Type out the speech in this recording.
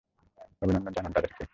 অভিবাদন জানান তাদেরকে!